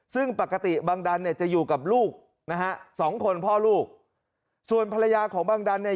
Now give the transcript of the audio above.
ซึ่งปกติบังดันเนี่ยจะอยู่กับลูกนะฮะสองคนพ่อลูกส่วนภรรยาของบังดันเนี่ย